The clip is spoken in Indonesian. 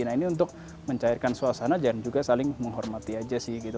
nah ini untuk mencairkan suasana dan juga saling menghormati aja sih gitu